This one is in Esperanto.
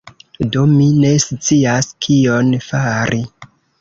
Do, mi ne scias kion fari...